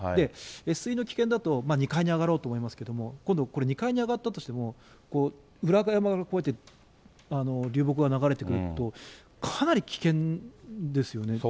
越水の危険だと、２階に上がろうと思いますけれども、今度これ、２階に上がったとしても、裏山からこうやって流木が流れてくると、かなり危険ですよね。